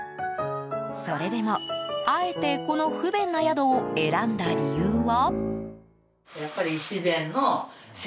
それでも、あえてこの不便な宿を選んだ理由は？